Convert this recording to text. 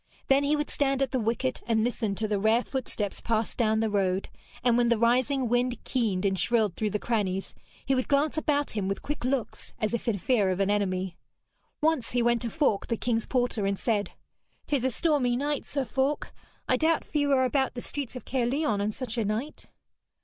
Then he would stand at the wicket and listen to the rare footsteps pass down the road, and when the rising wind keened and shrilled through the crannies, he would glance about him with quick looks as if in fear of an enemy. Once he went to Falk, the king's porter, and said: ''Tis a stormy night, Sir Falk. I doubt few are about the streets of Caerleon on such a night.'